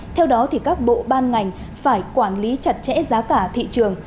theo đó các bộ ban ngành phải quản lý chặt chẽ giá cả thị trường